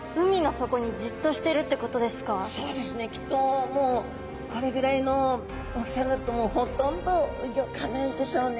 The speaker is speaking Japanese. そうですねきっともうこれぐらいの大きさになるともうほとんどうギョかないでしょうね。